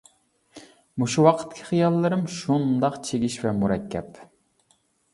مۇشۇ ۋاقىتتىكى خىياللىرىم شۇنداق چىگىش ۋە مۇرەككەپ.